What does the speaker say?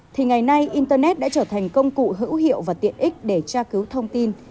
thì ngày nay internet đã trở thành công cụ hữu hiệu và tiện ích để tra cứu thông tin